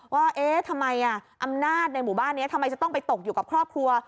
ว่าเอ๊ะทำไมอำนาจในหมู่บ้านนี้ทำไมจะต้องไปตกอยู่กับครอบครัว